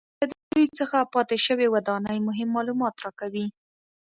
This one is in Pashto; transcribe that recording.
له دوی څخه پاتې شوې ودانۍ مهم معلومات راکوي